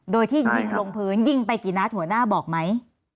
โดยที่ยิงลงพื้นยิงไปกี่นัดหัวหน้าบอกไหม